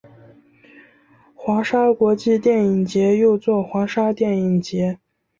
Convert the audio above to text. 华沙国际电影节又作华沙电影节。